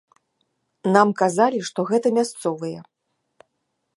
Нам казалі, што гэта мясцовыя.